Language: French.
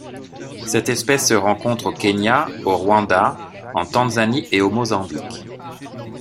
Cette espèce se rencontre au Kenya, au Rwanda, en Tanzanie et au Mozambique.